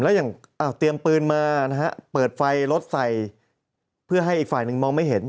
แล้วอย่างเตรียมปืนมานะฮะเปิดไฟรถใส่เพื่อให้อีกฝ่ายหนึ่งมองไม่เห็น